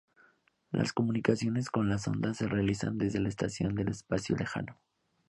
La comunicaciones con la sonda se realizan desde la Estación del Espacio Lejano.